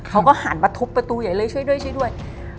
เขาก็หันมาทุบประตูใหญ่เลยช่วยด้วยช่วยด้วย